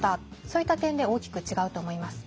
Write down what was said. そういった点で大きく違うと思います。